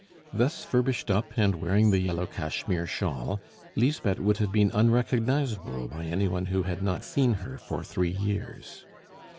Thus furbished up, and wearing the yellow cashmere shawl, Lisbeth would have been unrecognizable by any one who had not seen her for three years.